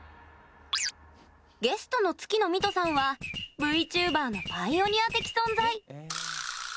ゲストの月ノ美兎さんはＶＴｕｂｅｒのパイオニア的存在。